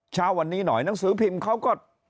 เช้าวันนี้หน่อยหนังสือพิมพ์เขาก็